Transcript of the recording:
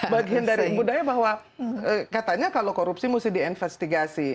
bagian dari budaya bahwa katanya kalau korupsi mesti diinvestigasi